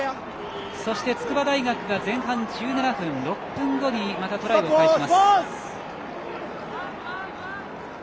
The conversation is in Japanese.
筑波大学が前半１７分６分後にトライを返します。